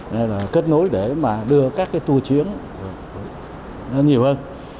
nên là kết nối để đưa các tour chuyến nhiều hơn